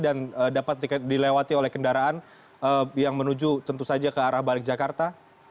dan dapat dilewati oleh kendaraan yang menuju tentu saja ke arah balik jakarta